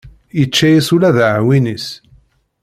Yečča-yas ula d aɛwin-is.